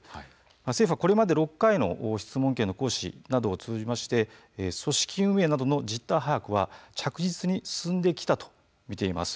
政府は、これまで６回の質問権の行使を通じまして組織運営などの実態把握は着実に進んできたとみています。